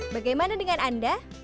bagaimana dengan anda